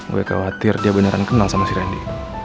gue khawatir dia beneran kenal sama si randy